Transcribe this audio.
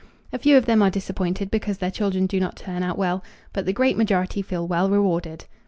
A few of them are disappointed because their children do not turn out well, but the great majority feel well rewarded.